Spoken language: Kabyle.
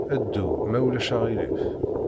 Ddu, ma ulac aɣilif.